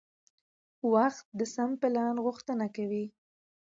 وخت د سم پلان غوښتنه کوي